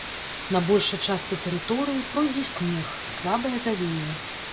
На большай частцы тэрыторыі пройдзе снег, слабая завея.